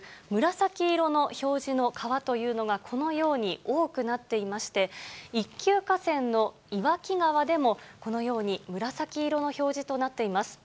紫色の表示の川というのが、このように多くなっていまして、一級河川の岩木川でも、このように、紫色の表示となっています。